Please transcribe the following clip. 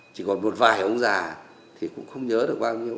chỉ còn một vài ông già thì cũng không nhớ được bao nhiêu